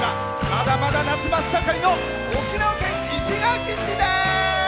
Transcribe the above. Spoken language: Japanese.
まだまだ夏真っ盛りの沖縄県石垣市です！